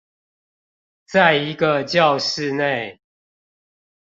在一個教室內